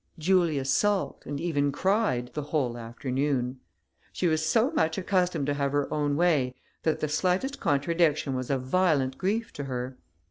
Julia sulked, and even cried, the whole afternoon. She was so much accustomed to have her own way, that the slightest contradiction was a violent grief to her.